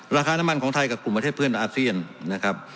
ราคาน้ำมันของไทยกับกลุ่มประเทศเพื่อนอาเซียนนะครับ